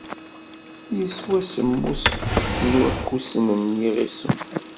Yeswa semmus n wakusen n yiɣisem.